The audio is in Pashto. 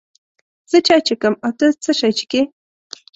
زه چای چکم، او ته څه شی چیکې؟